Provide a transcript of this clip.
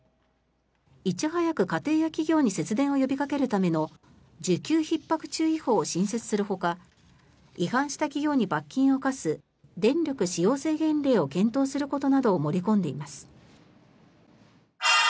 いち早く家庭や企業に節電を呼びかけるための需給ひっ迫注意報を新設するほか違反した企業に罰金を科す電力使用制限令を検討することなどを盛り込んでいます。